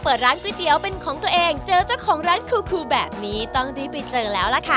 เปิดร้านก๋วยเตี๋ยวเป็นของตัวเองเจอเจ้าของร้านคูแบบนี้ต้องรีบไปเจอแล้วล่ะค่ะ